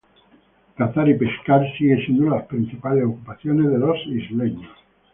Cazar y pescar siguen siendo las principales ocupaciones de los habitantes de la isla.